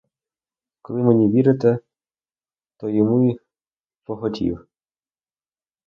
Коли мені вірите, то йому й поготів!